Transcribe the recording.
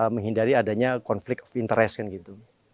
menghindari adanya konflik of interest